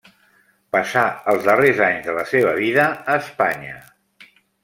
Passà els darrers anys de la seva vida a Espanya.